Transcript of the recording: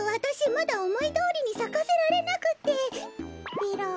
まだおもいどおりにさかせられなくてペロ。